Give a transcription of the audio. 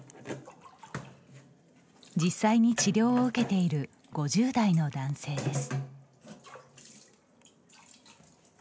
実際に治療を受けている５０代の男性です。